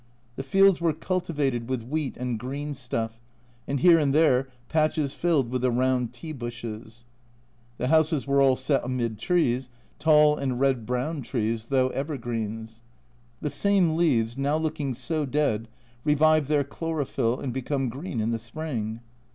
The fields were cultivated with wheat and green stuff, and here and there patches filled with the round tea bushes. The A Journal from Japan 103 houses were all set amid trees, tall and red brown trees, though " evergreens." The same leaves, now looking so dead, revive their chlorophyll, and become green in the spring.